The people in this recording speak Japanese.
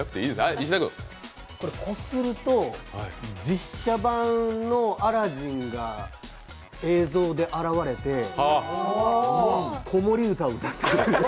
こすると実写版のアラジンが映像で現れて子守歌を歌ってくれる。